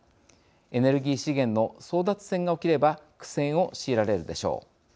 エネルギー資源の争奪戦が起きれば苦戦を強いられるでしょう。